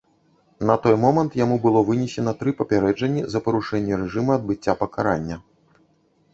На той момант яму было вынесена тры папярэджанні за парушэнне рэжыма адбыцця пакарання.